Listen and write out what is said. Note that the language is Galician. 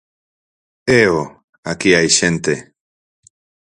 Eo, aquí hai xente!